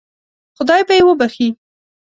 خدای به یې وبخشي.